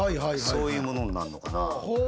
そういうものになんのかな。